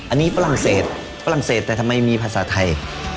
อันนี้ฝรั่งเศสฝรั่งเศสแต่ทำไมมีภาษาไทย